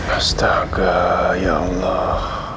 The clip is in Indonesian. astaga ya allah